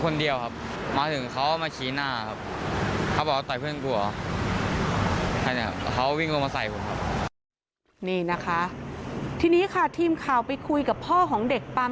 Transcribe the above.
นี่นะคะทีนี้ค่ะทีมข่าวไปคุยกับพ่อของเด็กปั๊ม